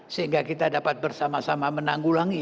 sehingga kita dapat bersama sama menanggulangi